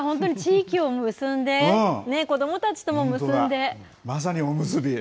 本当に地域をむすんで子どもたちともむすんでまさにおむすび。